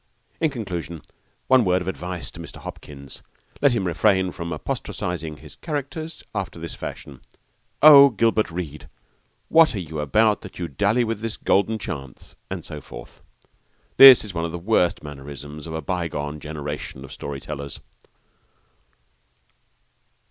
In conclusion, one word of advice to Mr. Hopkins: let him refrain from apostrophising his characters after this fashion: 'Oh, Gilbert Reade, what are you about that you dally with this golden chance?' and so forth. This is one of the worst mannerisms of a bygone generation of story tellers.